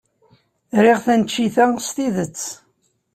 Riɣ taneččit-a s tidet.